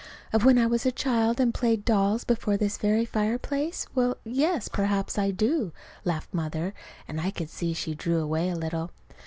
"Of when I was a child and played dolls before this very fireplace? Well, yes, perhaps I do," laughed Mother. And I could see she drew away a little.